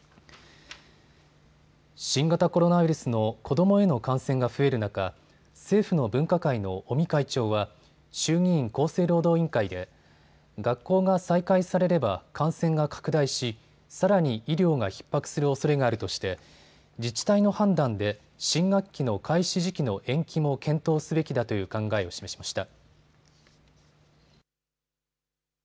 新型コロナウイルスの子どもへの感染が増える中、政府の分科会の尾身会長は衆議院厚生労働委員会で学校が再開されれば感染が拡大し、さらに医療がひっ迫するおそれがあるとして自治体の判断で新学期の開始時期の延期も検討すべきだという考えを示しました。